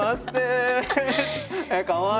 かわいい！